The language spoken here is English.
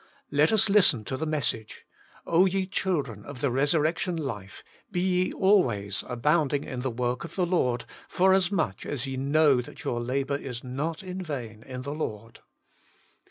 Let us listen to the message :' O ye children of the resurrection life, be ye always abounding in the work of the Lord, forasmuch as ye know your labour is not in vain in the Lord.'